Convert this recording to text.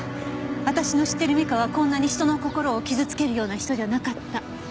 私の知ってる美香はこんなに人の心を傷つけるような人じゃなかった。